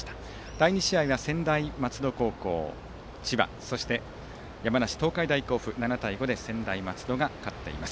第２試合は千葉の専大松戸高校とそして、山梨・東海大甲府７対５で専大松戸が勝っています。